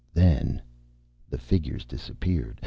Then The figures disappeared.